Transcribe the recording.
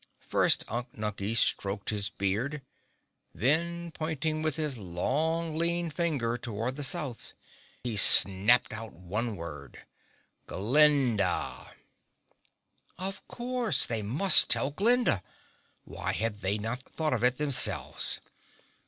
First Unk Nunkie stroked his beard; then pointing with his long lean finger toward the south he snapped out one word—"GLINDA!" Of course! They must tell Glinda. Why had they not thought of it themselves?